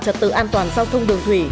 trật tự an toàn giao thông đường thủy